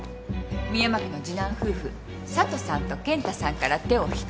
深山家の次男夫婦佐都さんと健太さんから手を引くこと